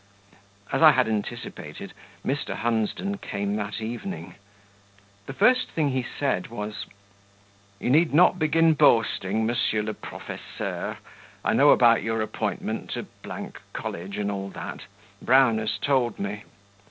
As I had anticipated, Mr. Hunsden came that evening. The first thing he said was: "You need not begin boasting, Monsieur le Professeur; I know about your appointment to College, and all that; Brown has told me."